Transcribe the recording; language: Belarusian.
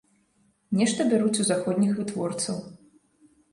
Нешта бяруць у заходніх вытворцаў.